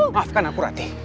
maafkan aku rati